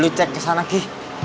lu cek kesana ki